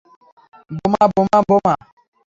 বোমা, বোমা, বোমা!